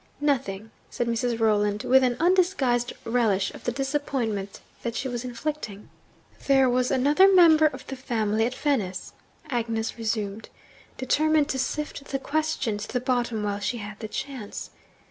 'Nothing,' said Mrs. Rolland, with an undisguised relish of the disappointment that she was inflicting. 'There was another member of the family at Venice,' Agnes resumed, determined to sift the question to the bottom while she had the chance.